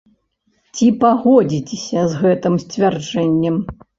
Ці пагодзіцеся з гэтым сцвярджэннем?